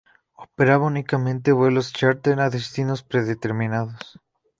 Operaba únicamente vuelos chárter a destinos predeterminados.